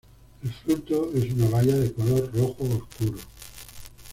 El fruto es una baya de color rojo oscuro.